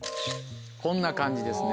こんな感じですね。